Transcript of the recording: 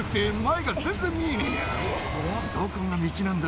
どこが道なんだ？